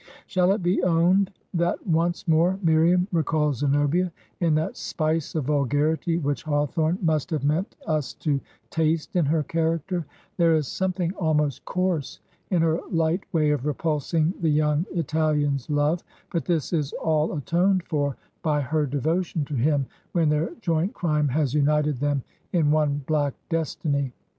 Shall it be owned that once more Miriam recalls Ze nobia in that spice of vulgarity which Hawthorne must 184 Digitized by VjOOQIC HAWTHORNE'S MIRIAM AND HILDA have meant us to taste in her character? There is something ahnost coarse in her light way of repulsing the young Italian's love; but this is all atoned for by her devotion to him when their joint crime has imited them in one black destiny.